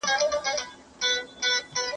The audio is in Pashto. ¬ يوه سترگه ئې ځني کښل، پر بله ئې لاس نيوی.